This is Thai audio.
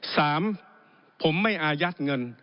สามผมไม่อายัดเงิน